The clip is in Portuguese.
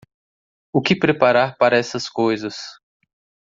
O que preparar para essas coisas